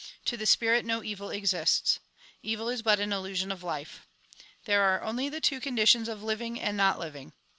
To the Spirit, no evil exists. Evil is but an illusion of life. There are only the two conditions, of living and not living.